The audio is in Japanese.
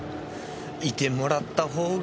いてもらったほうが。